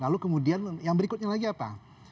lalu kemudian yang berikutnya lagi apa